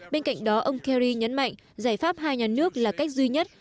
bên cạnh đó ông kerry nhấn mạnh giải pháp hai nhà nước là cách duy nhất